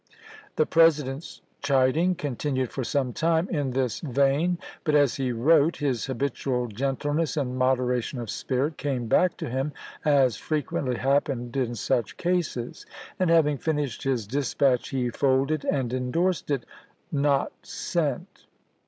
The President's chiding continued for some time in this vein ; but, as he wrote, his habitual gentleness and moderation of spirit came back to him, as fre quently happened in such cases; and, having finished his dispatch he folded and indorsed it, "Not sent."